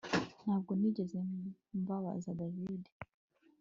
Ntabwo nigeze mbabaza David